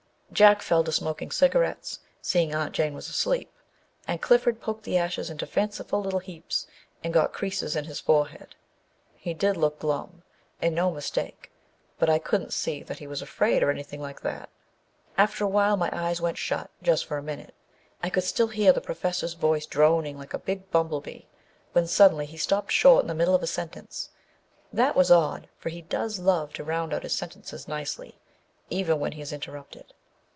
Jack fell to smoking cigarettes, seeing Aunt Jane was asleep, and Clifford poked the ashes into fanciful little heaps and got creases in his forehead. He did look glum and no mistake, but I couldn't see that he was afraid, or anything like that. After awhile my eyes went shut, just for a minute. I could still hear the Professor's voice droning like a big bumble bee, when suddenly he stopped short in the middle of a sentence. That was odd, for he does love to round out his sentences nicely, even when he is interrupted.